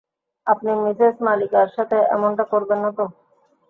আপনি মিসেস মালিকার সাথে এমনটা করবেন না তো।